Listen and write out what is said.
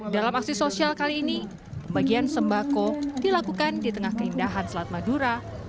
dalam aksi sosial kali ini pembagian sembako dilakukan di tengah keindahan selat madura